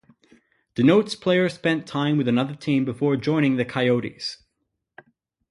Denotes player spent time with another team before joining the Coyotes.